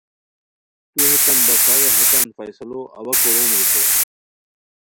تو ہیتان بساوے ہیتان فیصلو اوا کوروم ریتائے